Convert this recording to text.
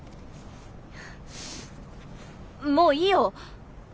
もういいよ。